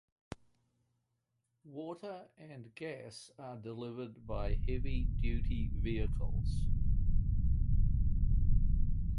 Water and gas are delivered by heavy duty vehicles.